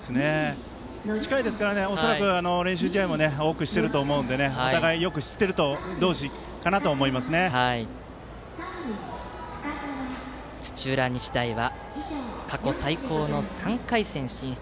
近いですから恐らく練習試合も多くしていると思うのでお互いによく知っている同士かなと土浦日大は過去最高の３回戦進出。